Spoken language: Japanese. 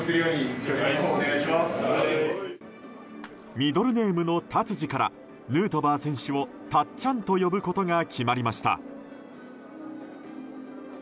ミドルネームのタツジからヌートバー選手をたっちゃんと呼ぶことが決まりました。